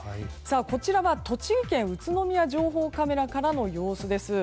こちらは栃木県宇都宮情報カメラからの様子です。